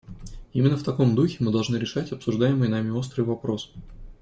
Именно в таком духе мы должны решать обсуждаемый нами острый вопрос.